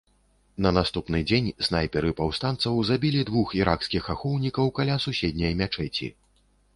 На наступны дзень снайперы паўстанцаў забілі двух іракскіх ахоўнікаў каля суседняй мячэці.